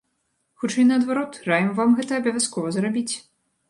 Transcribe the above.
Хутчэй наадварот, раім вам гэта абавязкова зрабіць.